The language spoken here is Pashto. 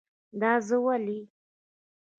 دا زه ولی؟